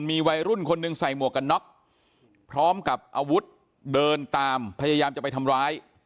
มีวัยรุ่นคนหนึ่งใส่หมวกกันน็อกพร้อมกับอาวุธเดินตามพยายามจะไปทำร้าย